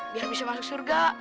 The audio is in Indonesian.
biar bisa masuk surga